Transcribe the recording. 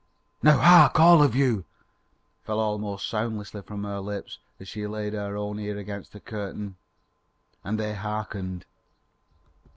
"Now hark, all of you," fell almost soundlessly from her lips, as she laid her own ear against the curtain. And they hearkened.